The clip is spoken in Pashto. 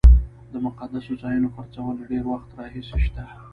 د مقدسو ځایونو خرڅول له ډېر وخت راهیسې شته.